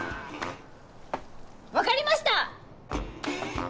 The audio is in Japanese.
分かりました！